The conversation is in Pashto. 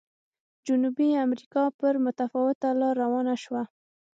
جنوبي امریکا پر متفاوته لار روانه شوه.